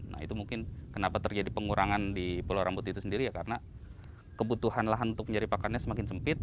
nah itu mungkin kenapa terjadi pengurangan di pulau rambut itu sendiri ya karena kebutuhan lahan untuk menjadi pakannya semakin sempit